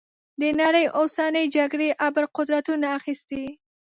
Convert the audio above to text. د نړۍ اوسنۍ جګړې ابرقدرتونو اخیستي.